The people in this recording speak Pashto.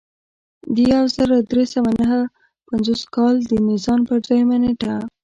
د یو زر درې سوه نهه پنځوس کال د میزان پر دویمه نېټه.